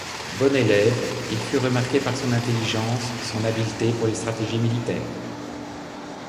Bon élève, il fut remarqué par son intelligence, son habilité pour les stratégies militaires.